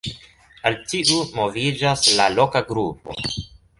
Al tiu moviĝas la "Loka Grupo".